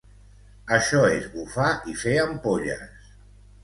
Això és bufar i fer ampolles!